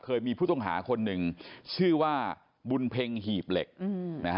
เคยมีผู้ต้องหาคนหนึ่งชื่อว่าบุญเพ็งหีบเหล็กนะฮะ